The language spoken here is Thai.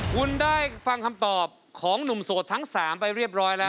คุณได้ฟังคำตอบของหนุ่มโสดทั้ง๓ไปเรียบร้อยแล้ว